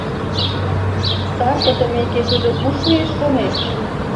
Сар пытымеке тудо куш лиеш шонет?